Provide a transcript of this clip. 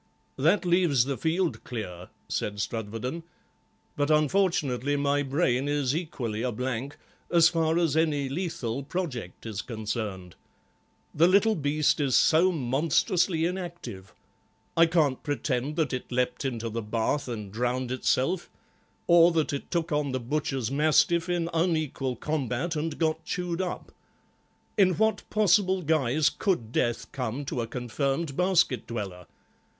"That leaves the field clear," said Strudwarden, "but unfortunately my brain is equally a blank as far as any lethal project is concerned. The little beast is so monstrously inactive; I can't pretend that it leapt into the bath and drowned itself, or that it took on the butcher's mastiff in unequal combat and got chewed up. In what possible guise could death come to a confirmed basket dweller?